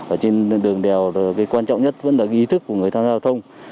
ở trên đường đèo cái quan trọng nhất vẫn là cái ý thức của người tham gia giao thông